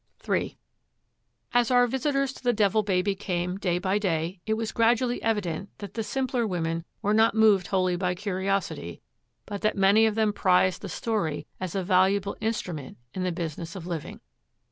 III As our visitors to the Devil Baby came day by day, it was gradually evident that the simpler women were not moved wholly by curiosity, but that many of them prized the story as a valuable instrument in the business of living.